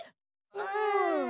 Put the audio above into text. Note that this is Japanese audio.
うん。